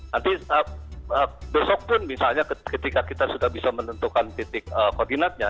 nanti besok pun misalnya ketika kita sudah bisa menentukan titik koordinatnya